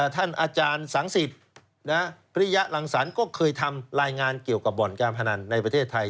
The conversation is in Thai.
ท่านอาจารย์สังสิทธิ์พิริยรังสรรค์ก็เคยทำรายงานเกี่ยวกับบ่อนการพนันในประเทศไทย